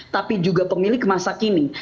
tapi juga pemilik masa kini